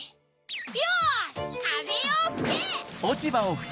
よしかぜよふけ！